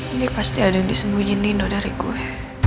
ini pasti ada yang disembunyiin nino dari gue